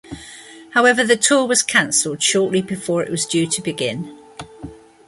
However, the tour was cancelled shortly before it was due to begin.